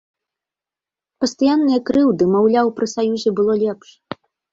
Пастаянныя крыўды, маўляў, пры саюзе было лепш.